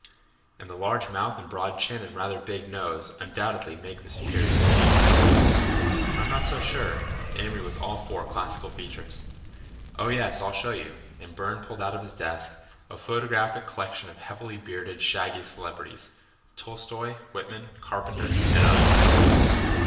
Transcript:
"And the large mouth and broad chin and rather big nose undoubtedly make the superior face." "I'm not so sure." Amory was all for classical features. "Oh, yes—I'll show you," and Burne pulled out of his desk a photographic collection of heavily bearded, shaggy celebrities—Tolstoi, Whitman, Carpenter, and others.